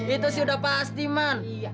itu sudah pasti ibu